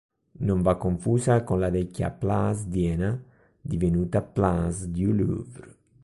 Non va confusa con la vecchia Place d'Iéna divenuta place du Louvre.